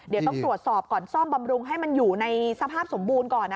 เดี๋ยวต้องตรวจสอบก่อนซ่อมบำรุงให้มันอยู่ในสภาพสมบูรณ์ก่อน